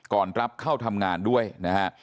ก่อนรับเข้าทำงานด้วยนะฮะ